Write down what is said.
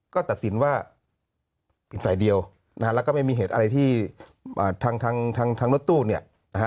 ก็ตัดสินว่าเป็นใส่เดียวแล้วก็ไม่มีเหตุอะไรที่ทางรถตู้เนี่ย